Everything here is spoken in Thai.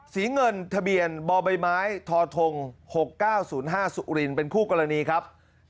เงินทะเบียนบใบไม้ทท๖๙๐๕สุรินเป็นคู่กรณีครับ